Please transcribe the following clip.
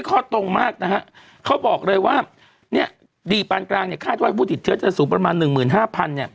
เขาบอกเลยว่าดีปานกลางเนี่ยคลาดว่าผู้ติดเชื้อจะสูงประมาณนึก๑๕๐๐๐